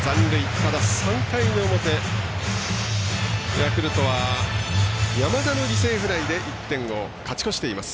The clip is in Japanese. ただ、３回の表ヤクルトは山田の犠牲フライで１点を勝ち越しています。